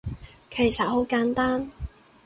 其實好簡單